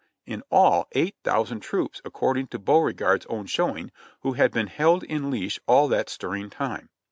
in all, eight thousand troops, according to Beaure gard's own showing, who had been held in leash all that stirring time.